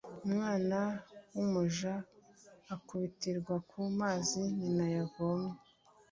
umwana w'umuja ukubitirwa ku mazi nyina yavomye